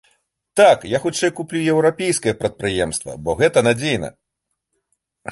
Так, я хутчэй куплю еўрапейскае прадпрыемства, бо гэта надзейна.